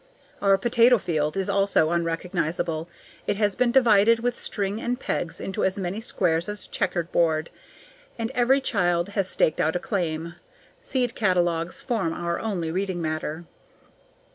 Our potato field is also unrecognizable. It has been divided with string and pegs into as many squares as a checker board, and every child has staked out a claim. Seed catalogues form our only reading matter.